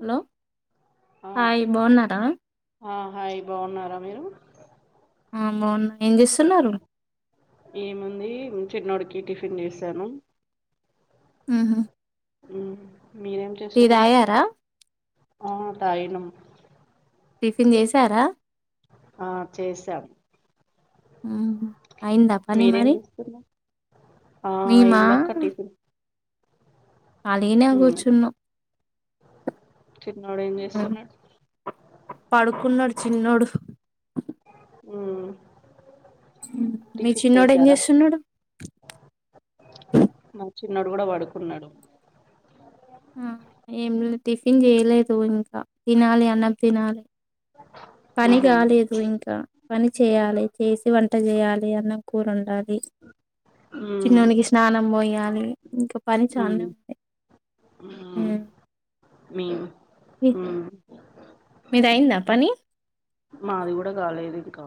Hello ఆ hi బోన్నారా ఆ హాయ్ బాఉన్నారా మీరు ఆ బాగున్నా ఏం చేస్తున్నారు ఏముంది చిన్నోడికి టిఫిన్ చేసాను ఉంహు ఆ మీరేం చేస్తున్నారు ఆ తాగినం టిఫిన్ చేసారా ఆ చేసాం ఆ మీరేం ఇస్తున్నారు ఆ మేమా ఇందక్క టిఫిన్ ఆలీగనే ఉమ్, కూర్చున్నాం చిన్నోడు ఏం చేస్తున్నాడు పడుకున్నాడు చిన్నోడు ఉం మీ చిన్నోడు ఏం చేస్తున్నాడు చిన్నడు కూడా బడుకున్నాడు ఆ ఏం టిఫిన్ చేయలేదు ఇంకా తినాలి అన్నం తినాలి పని ఉహుం. కాలేదు ఇంకా పని చేయాలె చేసి వంట చేయాలె అన్నం కూర ఒండాలి చిన్నోనికి స్నానం పోయి అ మ్ మ్ మ్మ్. మీ మీ- మ్ మీదయిందా పని మాది గూడ కాలేదు కా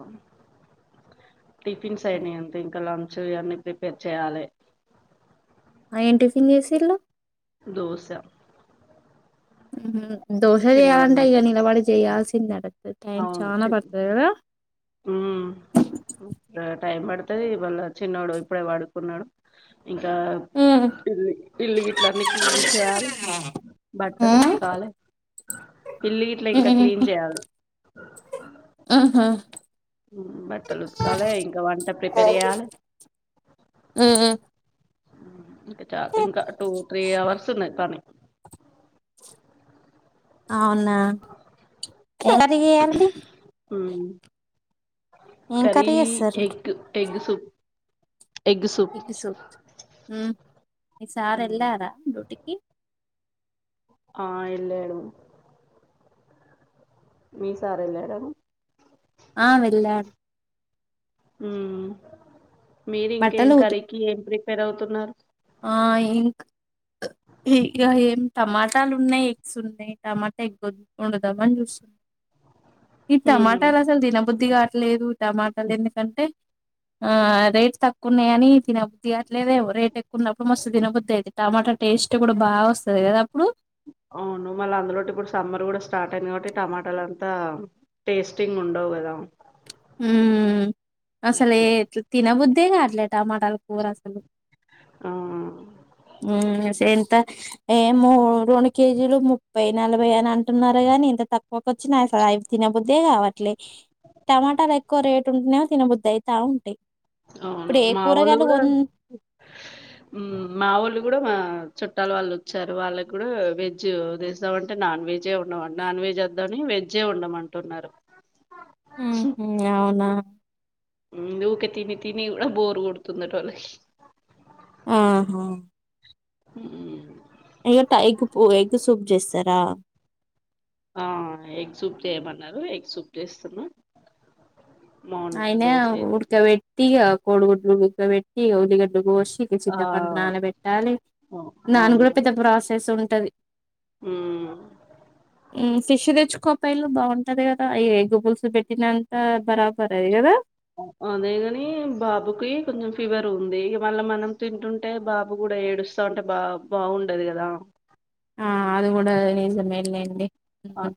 టిఫిన్స్ అయినయి అంత ఇంకాంత చువివన్నీ ప్రిపేర్ చేయాలి ఏం టిఫిన్ చేసిళ్ళు దోస ఆహ దోసా చేయ్యాలంటే అయక నిలబడి చేయాల్సింద అంట టైం అవును చాలా చి పడుతుంది కదా ఉమ్ ఇప్పుడు టైం పడుతుది ఇవాళ చిన్నడు ఇప్పుడే పాడుకున్నాడు ఇంకా ఇల్లు ఇల్లు ఇట్లన్నీ క్లీన్ చేయాలి బట్టలు ఉతుకాలి పిల్లి ఇట్లా ఇంకా క్లీన్ చేయాలి ఆహా ఉమ్ బట్టలు ఉతకాలి ఇంకా వంట ప్రిపేర్ చెయాలి ఆ ఇంకా చ ఇంకా టూ త్రీ అవర్స్ ఉన్నాయి పని అవునా ఎవరివి ఇయాని ఉమ్ కరి కర్రీ చేస్తారు egg egg soup egg soup ఉమ్ ఈ సార్ ఉమ్, ఎలారా డ్యూటికి ఆ ఎలాడు మీ సార ఎలాడా ఆ వెళ్లడ ఉమ్ మీరు ఇంకేం బట్టలు ఉతుకు కరీకి ఏం ప్రెప్ పెరుగుతున్నారు ఆ ఇంక ఇక ఏం టమాటాలు ఉన్నాయి ఎగ్స్ ఉన్నాయి టమాటా ఎగ్ వండదాం అని చూస్తున్నా ఇ హ్మ్ టమాటల అసల్ థినా బుద్ధదికాట్లేదు టమాటాలు ఎందుకంటే ఆ రేట్ తక్కువ కున్నాయ అని తిన్నవుధికవత్లెధు ఎమో రేట్ ఏక్ కున్నప్పుడు మస్తు తినబద్దిది టమాటా టేస్ట్ కూడా బా వస్తు సరే కదా అప్పుడు అవును మళ్ళీ అందులో ఇప్పుడు సమ్మర్ కూడా స్టార్ట్ అయింది కాబట్టి టమాటాలు అంతా టేస్టింగ్ ఉండవు కదా ఉమ్ అసలు ఏ అట్లా తిన బుద్ అంతే కావట్లే టమాటాల కూర అసలు ఆ ఉమ్ సేంతా ఏ మూడు రెండు కేజీలు ముప్పై నలభై అని అంటున్నారా గాని ఇంత తక్కువక వచ్చి నాసయి తినబద్దే కావట్లే టమాటాలు ఎక్కువ రేట్ ఉంటేనే తినబద్దు అవుతా ఉంటాయి అవును ఇప్పుడు ఏ మా వాళ్ళు కూరగాయలు కూడా కొన్ ఉమ్ మా వాళ్ళు కూడా మా చె చుట్టాలు వాళ్ళు వచ్చారు వాళ్ళకి కూడా వెజ్ తీస్తామంటే నాన్ వెజ్ ఏ ఉండం నాన్ వెజ్ వద్దామని వెజ్జే వందం అంటున్నారు ఉమ్ ఉమ్ అవునా ఉమ్ ఊకె తిని తిని కూడా బోరు కొడుతుందట వాళ్ళకి ఆహా హ్మ్మ్ ఇగ టైకుపోయి ఎగ్ సూప్ చేస్తరా ఆ ఎగ్ సూప్ చేయమన్నారు ఎగ్ సూప్ చేస్తున్నా మార్నింగ్ అయినా దోశ వేసి ఊడక వెట్టి ఇగ కోడుగుడ్లు ఉడక పెట్ ఇగ ఉల్లిగడ్డ కోసి ఇక ఆ చింతపండు నానా పెట్టాలి అవు నాను కూడా పెద్ద ప్రాసెస్ ఉన్ టది ఉమ్ ఉమ్ ఫిష్ తెచ్చుకో పోయిన్లు బాగుంటది కదా ఈ ఎగ్ పుల్సు పెట్టినంత బరా పరయి కదా అదేగాని బాబుకి కొంచెం ఫీవర్ ఉంది ఇగ మళ్ళ మనం తింటుంటే బాబు కూడా ఏడుస్తా ఉంటే బా బాగుండది కదా ఆ అది కూడా నిజమేలేండి ఆ మ్మ్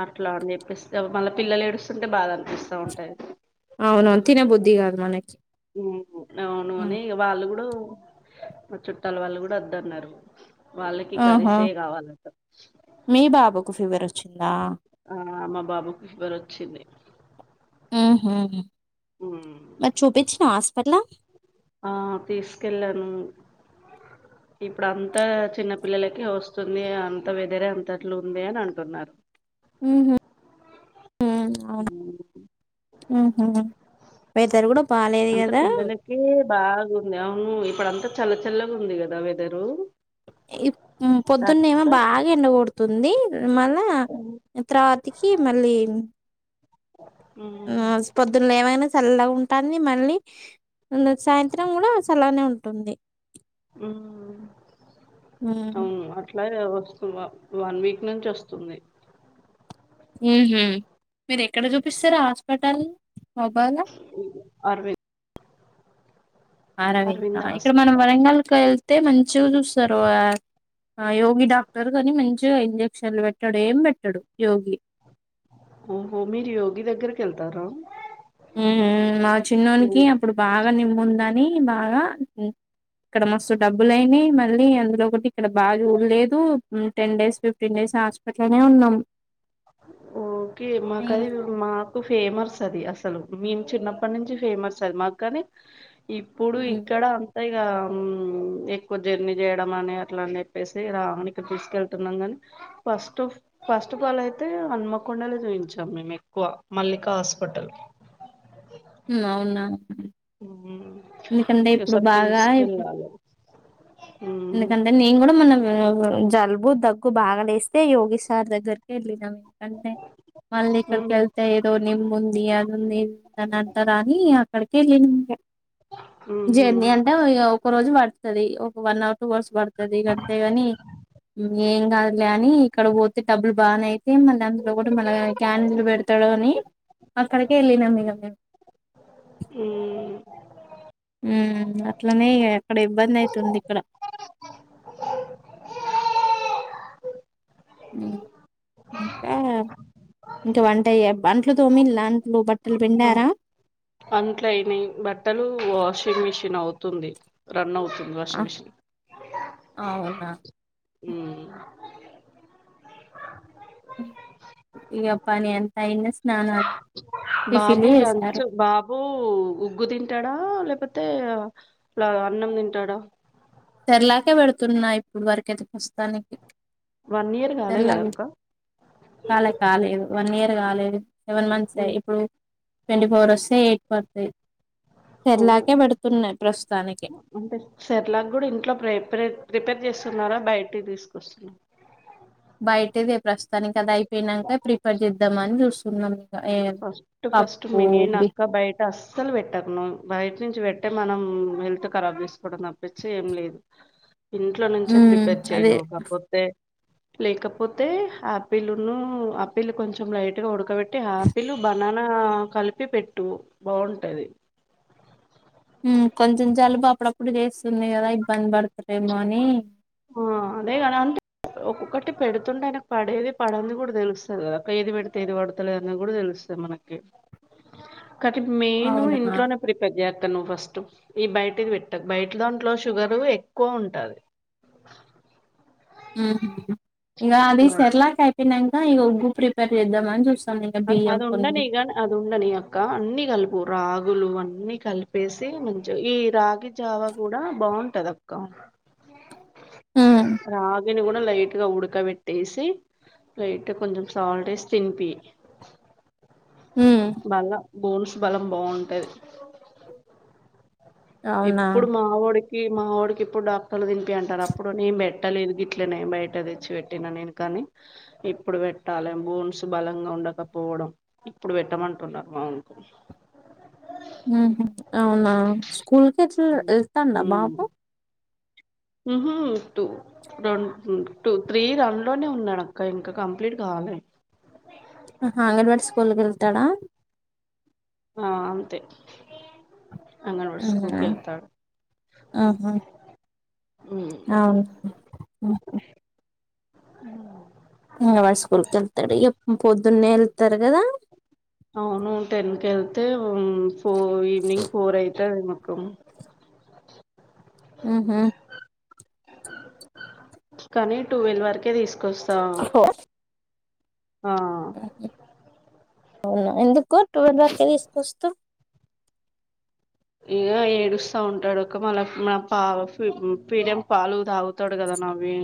అట్లా అని చెప్పేస్తే మళ్ళ పిల్లలు ఏడుస్తుంటే బాద అన్ పిస్తా ఉంటది తిన బుద్ది కాదు మనకి ఉహు అవును మ్మ్ అని వాళ్ళు కూడా మా చుట్టాల వాళ్ళు కూడా అద్దు అన్నరు వాళ్ళకి ఆహా కరీసే కావాలంట మీ బాబుకు ఫీవర్ వచ్చిందా ఆ మా బాబుకి ఫీవర్ అచ్చింది ఊహూ ఉమ్ ఎట్లా ఆ తీసుకెళ్ళాను ఇప్పుడు అంత చిన్న పిల్లలకి వస్తుంది అంత వెదరే అంతట్లు ఉంది అని అంటున్నారు ఉహు ఊహూ వెదర్ కూడా బాలేదు అంత కదా పిల్లలకే బాగుంది అవును ఇప్పుడు అంతా చల్ల చల్లగా ఉంది కదా వెదరు ఈ ఉ పొద్దున్న ఏమో అట్లా బాగా ఎండ గొడ్ తుంది మళ్ళా తర్వాతికి మళ్ళీ హ్మ్ ఆస్ పొద్దున లేవైనా సల్లగా ఉన్ టంది మళ్ళీ ఉన్ సాయంత్రం కూడా సల్లగనే ఉంటుంది ఉమ్ హ్మ్ అవును అట్ లాగే వస్తు వ వన్ వీక్ నుంచి వస్తుంది ఉహు మీరు ఎక్కడ చూపిస్తారు హాస్పిటల్ గోపాల అరవింద్ అరవింద ఇక్కడ మనం వరంగల్కి వెళ్ అయితే మంచిగా చూస్తారు యోగి డాక్టర్ కాని మంచిగా ఇంజక్షన్లు పెట్టాడు ఏం పెట్టాడు యోగి ఓహో మీరు యోగి దగ్గరికి వెళ్తారా మా చిన్నోనికి అప్పుడు బాగా బ నిమ్ముందని బాగా ఇక్కడ మస్తు డబ్బులుయిని మళ్ళీ అందులో ఒకటి ఇక్కడ బాగా లేదు టెన్ డేస్ ఫిఫ్టీన్ డేస్ హాస్పిటల్నే ఉన్నాం ఓకే మాకు అది మాకు ఫేమస్ అది అసలు మేము చిన్నప్పటి నుంచి ఫేమస్ అది మాకుగాని ఇప్పుడు ఇక్కడ అంతా ఎక్కువ జర్నీ చేయడం అని అట్లా అని చెప్పేసి రావానికి తీసుకెతునం కానీ ఫీస్ట్ పని అయితే హన్మకొండలే చూయించాం మేము ఎక్కువ మల్లిక హాస్పిటల్ ఉ అవునా ఎందుకంటే ఇప్పుడు స్యీ బాగా కేంలాల ఎందుకంటే నేను కూడా మన జలుబు దగ్గు బాగా లేస్తే యోగిీష్ సార్ దగ్గరికి వెళ్ళినం ఎందుకంటే మళ్ళీ ఇక్కడికి ఉమ్ వెళ్తే ఏదో నిమ్ ఉంది అది ఉందిందిని అంటారు అని అక్కడికి వెళ్ళినాం ఉహు జర్నీ అంటే ఒక రోజు పడుతుంది ఒక వన్ అవర్ టూ వర్స్ పడుతుది ఇక అంతేగాని ఏం కాదులే అని ఇక్కడ పోతే డబ్బులు బాగానే అయితే మళ్ళీ అందులో కూడా మళ్ళ క్యాంల్ పెడతాడు అని అక్కడిక వెళ్ళినాం ఇక మేము హుమ్ అట్లనే అక్కడ ఇబ్బంది అవుతుంది ఇక్కడ ఇంకా ఇంకా వంట వంటలు తోమిలాంట్లు బట్టలు ఆ పిండారా అంట్లయినయి ంది రన్ అవుట్ వాషింగ్ మెషీన్ అవునా మ్మ్ ఇక పని అంత ఇన్న బాబు లంచ్ బాబు ఉగ్గు తింటాడా లేకపోతే లా అన్నం తింటాడా సేరలాకే పెడుతున్నా ఇప్పుడు వరకు ఎతే ప్రస్తతానికి వన్ ఇయర్ కాలే తెర్ కదా అక్క కాాల కాాల ఏద వన్ ఇయర్ కాలేదు సెవెన్ మంత్స్ మ్మ్ ఇప్పుడు ట్వంటీ ఫోర్ వస్తే ఎయిట్మంత్ స ఓహో సేర్లాకే పడుతున్నాయి ప్రస్తుతానికి ఇట్లో ప్రిప ప్రిపేర్ చేస్తున్నారా బయటికి తీసుకొస్తున్నా బయటేదే ప్రస్తుతానికి అది అయిపోయినాక ప్రిఫెర్ చేద్దాం అని చూసు సున్నా ఫస్ట్ ఫస్ట్ మెయిన్ అక్క బయట అస్సలు పెట్టకు నువ్వు నుంచి పెట్టే మనం హెల్త్ ఖరాబ్ చేసుకోవడం తప్పించి ఏం లేదు ఇంట్లో నుంచే మ్మ్ ప్రిపేర్ చెయ్యి అదే నువ్వు కాకపోతే లేకపోతే ఆపిల్ను ఆపిల్ కొంచెం లైట్ గా ఉడకబెట్టి ఆపి పిల్లు బనానా కలిపి పెట్టు బాగుంటుంది కొంచెం జలుపు అప్పుడప్పుడు చేస్తుంది కదా ఇబ్బంది పడుతుంది ఆ అదేగాద అంతే ఒక ఒకటి పెడుతుంటే పడేది పడనిది కూడా తెలుస్తుంది కదా ఏది పెడితే ఏది పడుతులేదని కూడా తెలుస్తుంది మనకి ఒకటి మెయిను అవునా ఇంట్లోనే ప్రిపేర్ చేస్తా నువ్వు ఫస్ట్ ఈ బయటిది పెట్టకు బయటి దాంట్లో షుగర్ ఎక్కువ ఉంట టది ఉ ఇగ అది బయ్ సర్లాకె అయిపోయినాకా ఈగ ఉగ్గు ప్రిపేర్ చేద్దామ అనీ చూస్త అది ఉండనీ అది ఉండనీ అక్క అన్ని కలిపు రాగులు అన్నీ కలిపేసి మంచి ఈ రాగి జావా కూడా బాగుంటది అక్క మ్మ్ రాగను కూడా లైట్ గా ఉడకబెట్టేసి లైట్ కొంచెం సాల్ట్ వేసి తినిపి మ్మ్ బాల బోన్స్ బలం బాగుంటది అవునా ఇప్పుడు మా వాడికి ఈ మా డికి ఇప్పుడు డాక్టర్లు తినింపి అంటారు అప్పుడు నేను పెట్టలేదు గ ఇట్లే న బయట తెచ్చి పెట్టినా నేను కాని ఇప్పుడు పెట్టాలి బోన్స్ బలంగా ఉండకపోవడం ఇప్పుడు పెట్టమంటున్నారు మా ఊకు అవునా స్కూల్ క ఎట్లా వెళ్తాడా బాబు టూ రెం టూ త్రీ రన్ లోనే ఉన్నాడు అక్క ఇంకా కంప్లీట్ కావాలి అంగడ్వాడి స్కూల్కి వెళ్తాడా ఆ అంతే అంగన్‌వాడి ఆ స్కూల్‌కెళ్తాడు. ఆహా హ్మ్. అవును అవు అంగన్వాడి స్కూల్ కి వెళ్తాడు ఇక పొద్దున్నే వెళ్తాడు కదా అవును టెన్కి వెళ్తే ఫోర్ ఈవనింగ్ ఫోర్ అయితే కు ఆ హమ్ కానీ టూవెల్వ వరకే తీసుకు కోస్తాం ఆ అవునా ఎందుకు టటు బా తె తీసుకొస్తూ ఇక ఏడుస్తా ఉంటాడు ఒక మళ్ళ మన పా ఫిీడిమ్ పాలు తాగుతాడు కదా నవ్వి